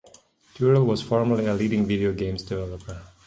Durell was formerly a leading video games developer.